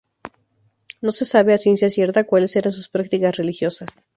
No se sabe a ciencia cierta cuáles eran sus prácticas religiosas.